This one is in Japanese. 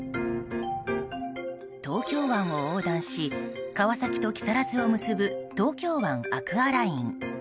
東京湾を横断し川崎と木更津を結ぶ東京湾アクアライン。